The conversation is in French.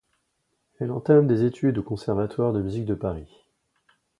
Elle entame des études au Conservatoire de musique de Paris.